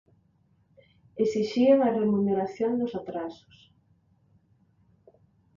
Esixían a remuneración dos atrasos.